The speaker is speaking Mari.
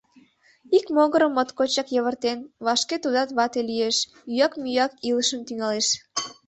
Ик могырым, моткочак йывыртен: вашке тудат вате лиеш, ӱяк-мӱяк илышым тӱҥалеш.